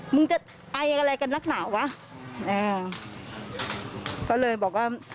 มึงจะไออะไรกับนักหนาวะอ่าก็เลยบอกว่า